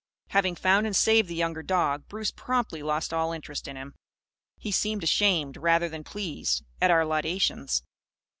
Having found and saved the younger dog, Bruce promptly lost all interest in him. He seemed ashamed, rather than pleased, at our laudations.